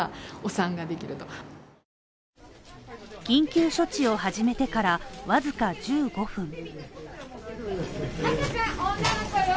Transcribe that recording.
緊急処置を始めてから僅か１５分。